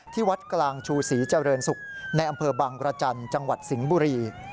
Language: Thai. ที่วัดกลางชูศรีเจริญศุกร์ในอำเภอบังรจันทร์จังหวัดสิงห์บุรี